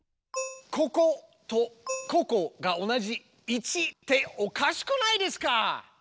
こことここが同じ１っておかしくないですか！？